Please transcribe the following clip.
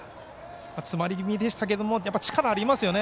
詰まり気味でしたが力ありますね。